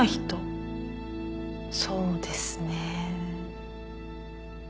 そうですね。